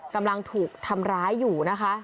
กำลังถูกทำร้ายอยู่นะคะ